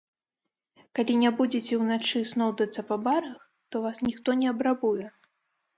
Калі не будзеце ўначы сноўдацца па барах, то вас ніхто не абрабуе.